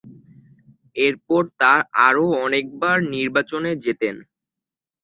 এরপর তারা আরও অনেকবার নির্বাচনে জেতেন।